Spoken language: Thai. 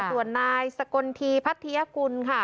ส่วนนายสกลทีพัทยกุลค่ะ